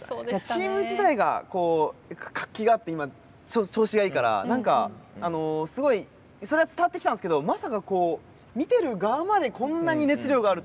チーム自体が活気があって今調子がいいから何かすごいそれは伝わってきたんですけどまさか見てる側までこんなに熱量があるとは。